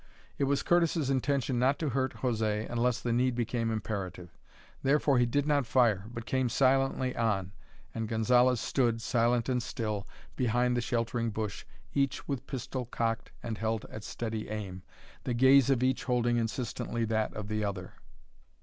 It was Curtis's intention not to hurt José unless the need became imperative. Therefore he did not fire, but came silently on, and Gonzalez stood, silent and still, behind the sheltering bush, each with pistol cocked and held at steady aim, the gaze of each holding insistently that of the other.